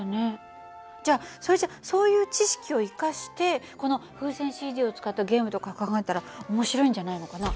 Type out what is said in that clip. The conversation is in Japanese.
じゃあそれじゃそういう知識を生かしてこの風船ＣＤを使ったゲームとか考えたら面白いんじゃないのかな？